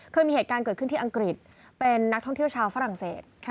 เคยมีเหตุการณ์เกิดขึ้นที่อังกฤษเป็นนักท่องเที่ยวชาวฝรั่งเศส